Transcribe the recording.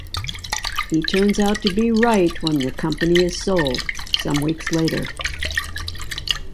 He turns out to be right when the company is sold some weeks later.